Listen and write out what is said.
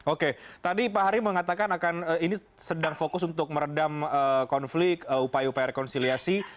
oke tadi pak hari mengatakan akan ini sedang fokus untuk meredam konflik upaya upaya rekonsiliasi